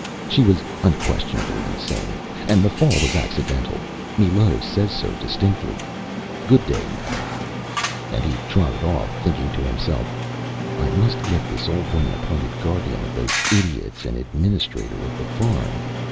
She was unquestionably insane, and the fall was accidental. Millot says so distinctly. Good day, Madame.Â And he trotted off, thinking to himself: ÂI must get this old woman appointed guardian of those idiots, and administrator of the farm.